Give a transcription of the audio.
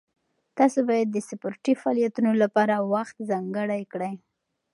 تاسو باید د سپورټي فعالیتونو لپاره وخت ځانګړی کړئ.